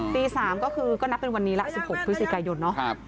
ตี๓ก็คือก็นับเป็นวันนี้ละ๑๖พฤศจิกายนเนาะ